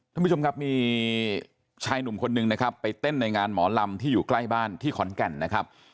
ท่านผู้ชมครับมีชายหนุ่มคนนึงนะครับไปเต้นในงานหมอลำที่อยู่ใกล้บ้านที่ขอนแก่นนะครับ